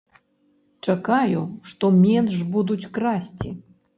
Чакаю, што менш будуць красці.